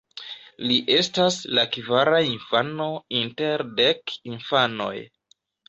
Li estas la kvara infano inter dek infanoj.